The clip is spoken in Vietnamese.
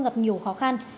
gặp nhiều khó khăn